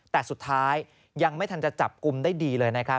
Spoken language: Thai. แต่สุดท้ายยังไม่ทันจะจับกลุ่มได้ดีเลยนะครับ